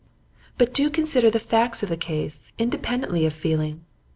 'But do consider the facts of the case, independently of feeling.